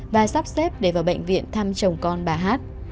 và sắp xếp để vào bệnh viện thăm chồng con bà hát